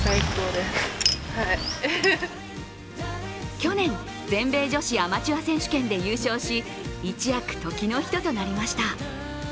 去年、全米女子アマチュア選手権で優勝し一躍、時の人となりました。